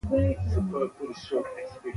د عنصرونو د اتومونو ځای په نورو عنصرونو عوض شي.